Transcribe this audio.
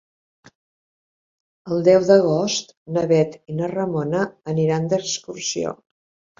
El deu d'agost na Bet i na Ramona aniran d'excursió.